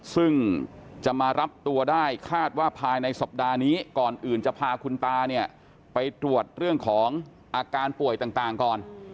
ซึ่งจะมารับตัวได้คาดว่าภายในสัปดาห์นี้ก่อนอื่นจะพาคุณตาเนี่ยไปตรวจเรื่องของอาการป่วยต่างก่อน